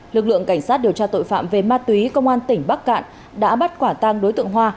lực lượng cảnh sát điều tra tội phạm về ma túy công an tỉnh bắc cạn đã bắt quả tang đối tượng hoa